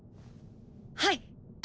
はい！